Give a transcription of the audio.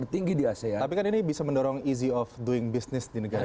tapi kan ini bisa mendorong easy of doing business di negara kita